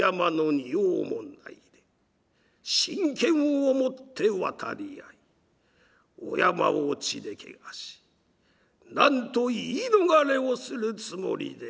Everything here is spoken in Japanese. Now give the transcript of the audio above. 門内真剣をもって渡り合いお山を血で汚し何と言い逃れをするつもりであるか。